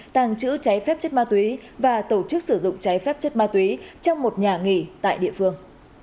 tàng trữ trái phép chất ma túy và tổ chức sử dụng trái phép chất ma túy trong một nhà nghỉ tại địa phương